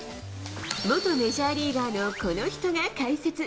元メジャーリーガーのこの人が解説。